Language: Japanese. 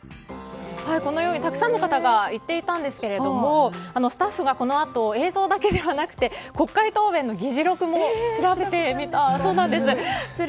このようにたくさんの方が言っていたんですけれどもスタッフがこのあと映像だけではなくて国会答弁の議事録も調べてみたそうなんです。